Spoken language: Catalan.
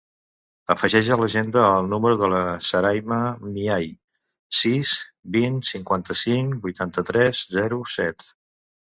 Afegeix a l'agenda el número de la Sarayma Mihai: sis, vint, cinquanta-cinc, vuitanta-tres, zero, set.